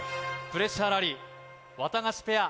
プレッシャーラリーワタガシペア